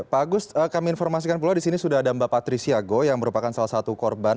pak agus kami informasikan pula disini sudah ada mbak patricia goh yang merupakan salah satu korporasi